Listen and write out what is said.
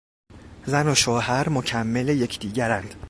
زن و شوهر مکمل یکدیگرند.